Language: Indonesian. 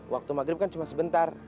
waktu maghrib kan cuma sebentar